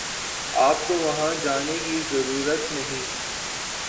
آپ کو وہاں جانے کی ضرورت نہیں